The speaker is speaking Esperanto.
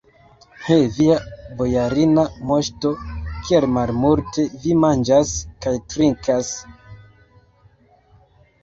He, via bojarina moŝto, kiel malmulte vi manĝas kaj trinkas!